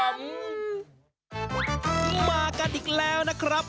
มากันอีกแล้วนะครับ